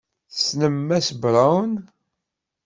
Tessnem Mass Brown?